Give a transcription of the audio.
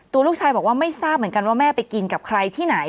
ตัวลูกชายบอกว่าไม่ทราบเหมือนกันว่าแม่ไปกินกับใครที่ไหน